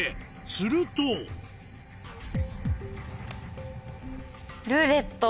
すると「ルーレット」。